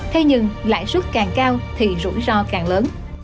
thế nhưng lãi suất càng cao thì rủi ro càng lớn